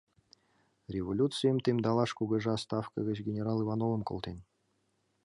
— Революцийым темдалаш кугыжа ставке гыч генерал Ивановым колтен.